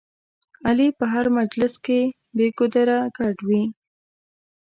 علي په هر مجلس کې بې ګودره ګډ وي.